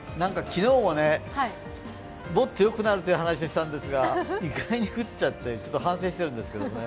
昨日も、もっと良くなるという話をしたんですが、意外に降っちゃって、反省してるんですけどね。